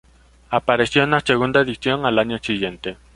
Apareció una segunda edición al año siguiente.